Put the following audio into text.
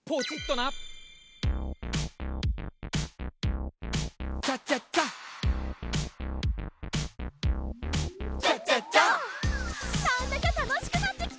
なんだかたのしくなってきた！